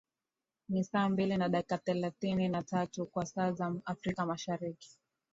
ni saa mbili na dakika thelathini na tatu kwa saa za afrika mashariki